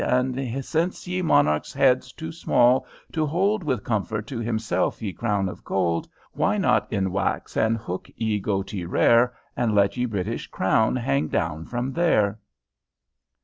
And since ye Monarch's head's too small to holde With comfort to himselfe ye crowne of gold, Why not enwax and hooke ye goatee rare, And lette ye British crown hang down from there?